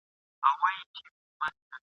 بېړۍ خپل سفر له سره وو نیولی ..